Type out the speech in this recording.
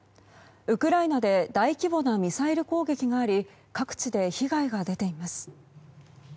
ウクライナで大規模なミサイル攻撃があり各地で被害が出ています。